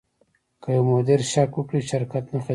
که یو مدیر شک وکړي، شرکت نه ختمېږي.